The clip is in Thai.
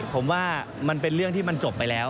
ผมว่ามันเป็นเรื่องที่มันจบไปแล้ว